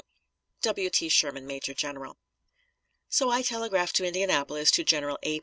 W. T. SHERMAN, Major General. So I telegraphed to Indianapolis to General A.